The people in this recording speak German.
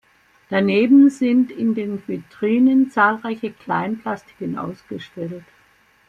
Daneben sind in den Vitrinen zahlreiche Kleinplastiken ausgestellt.